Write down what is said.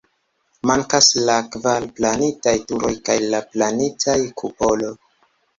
Mankas la kvar planitaj turoj kaj la planita kupolo.